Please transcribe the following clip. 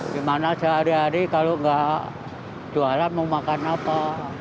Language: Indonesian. gimana sehari hari kalau nggak jualan mau makan apa